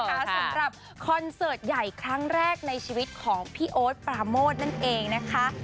สำหรับคอนเสิร์ตใหญ่ครั้งแรกในชีวิตของพี่โอ๊ตปราโมทนั่นเองนะคะ